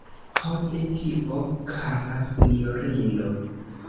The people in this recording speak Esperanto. Ho, ne tio, kara sinjorino!